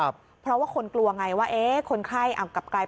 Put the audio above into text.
เพราะว่าคนกลัวไงว่าคนไข้อำกับใคร